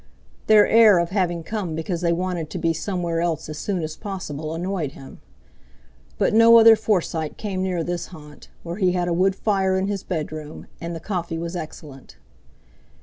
Their air of having come because they wanted to be somewhere else as soon as possible annoyed him. But no other Forsyte came near this haunt, where he had a wood fire in his bedroom and the coffee was excellent.